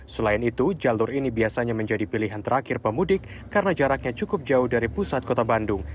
selain itu jalur ini biasanya menjadi pilihan terakhir pemudik karena jaraknya cukup jauh dari pusat kota bandung